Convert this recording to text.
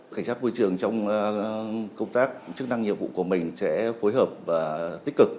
cảnh sát môi trường trong công tác chức năng nhiệm vụ của mình sẽ phối hợp và tích cực